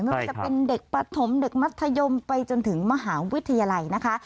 ไม่ว่าจะเป็นเด็กปฐมเด็กมัธยมไปจนถึงมหาวิทยาลัยนะคะ